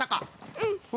うん。